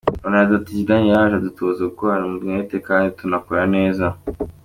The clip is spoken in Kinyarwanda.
Ronaldo ati Zidane yaraje adutoza gokorana umwete kandi tunakora neza.